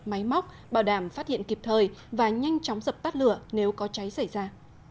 máy móc bảo đảm phát hiện kịp thời và nhanh chóng dập tắt lửa nếu có cháy xảy ra